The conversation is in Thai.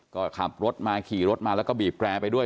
ก็ขับรถมาขี่รถมาแล้วก็บีบแกรไปด้วย